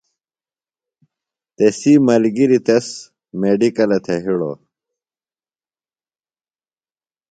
تسی ملگِریۡ تس میڈِکلہ تھےۡ ہِڑوۡ۔